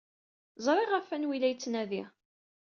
Ẓriɣ ɣef wanwa ay la yettnadi.